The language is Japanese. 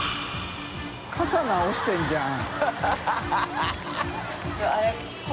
直してるじゃん。